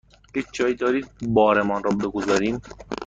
هیچ جایی دارید بارمان را بگذاریم؟